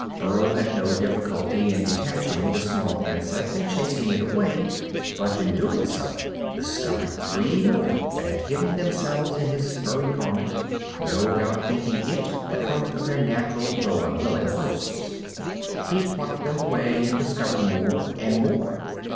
Burl had no difficulty in detaching the small insect and casting it away, but in doing so discovered three more that had hidden themselves in his furry garment, no doubt thinking it the coat of their natural, though unwilling hosts. He plucked them away, and discovered more, and more.